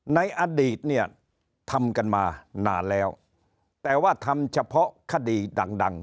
ในอดีตเนี่ยทำกันมานานแล้วแต่ว่าทำเฉพาะคดีดังดัง